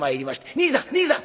「兄さん兄さん